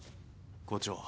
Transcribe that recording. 校長